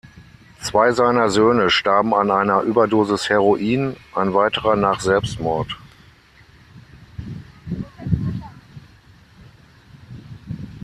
Zwei seiner Söhne starben an einer Überdosis Heroin, ein weiterer nach Selbstmord.